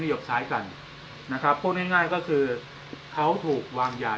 หยกซ้ายกันนะครับพูดง่ายง่ายก็คือเขาถูกวางยา